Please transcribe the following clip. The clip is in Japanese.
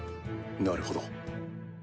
なるほど。